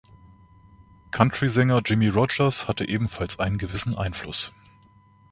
Country-Sänger Jimmie Rodgers hatte ebenfalls einen gewissen Einfluss.